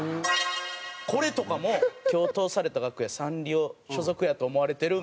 これとかも「今日通された楽屋サンリオ所属やと思われてる？」